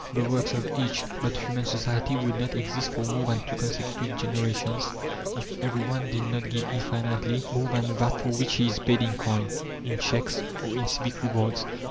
"The works of each!" But human society would not exist for more than two consecutive generations if everyone did not give infinitely more than that for which he is paid in coin, in "cheques," or in civic rewards.